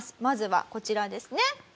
まずはこちらですね。